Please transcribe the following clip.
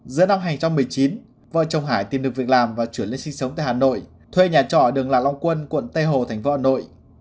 giữa năm hai nghìn một mươi chín vợ chồng hải tìm được việc làm và chuyển lên sinh sống tại hà nội thuê nhà trọ đường lạc long quân quận tây hồ thành phố hà nội